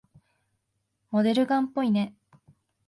モデルガンっぽいね。